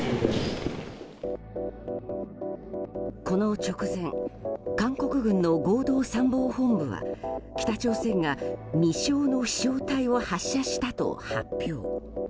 この直前韓国軍の合同参謀本部は北朝鮮が未詳の飛翔体を発射したと発表。